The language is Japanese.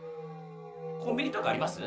コンビニとかあります？